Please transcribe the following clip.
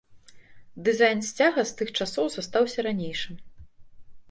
Дызайн сцяга з тых часоў застаўся ранейшым.